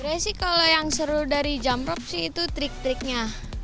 sebenarnya sih kalau yang seru dari jump rope sih itu trik triknya